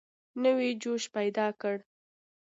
نوی جوش پیدا کړ.